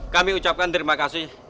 kami ucapkan terima kasih